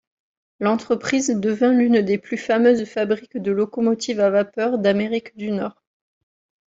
L'entreprise devint l'une des plus fameuses fabriques de locomotive à vapeur d'Amérique du Nord.